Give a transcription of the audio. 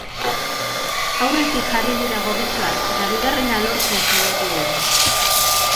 Aurretik jarri dira gorritxoak, eta bigarrena lortzen saiatu dira.